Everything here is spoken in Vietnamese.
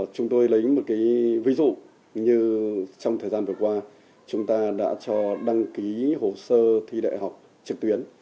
chúng tôi lấy một ví dụ như trong thời gian vừa qua chúng ta đã cho đăng ký hồ sơ thi đại học trực tuyến